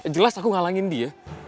jelas aku ngalangin dia